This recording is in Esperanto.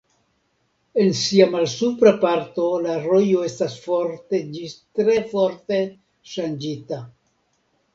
En sia malsupra parto la rojo estas forte ĝis tre forte ŝanĝita.